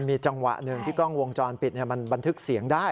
มีจังหวะหนึ่งที่กล้องวงจรปิดมันบันทึกเสียงได้